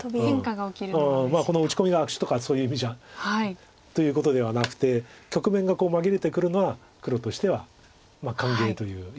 この打ち込みが悪手とかそういう意味じゃということではなくて局面が紛れてくるのは黒としては歓迎という意味で。